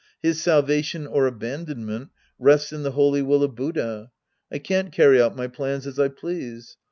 His salvation or abandonment rests in the holy will of Buddha. I can't carry out my plans as I please.